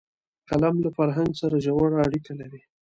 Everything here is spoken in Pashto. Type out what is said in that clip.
قلم له فرهنګ سره ژوره اړیکه لري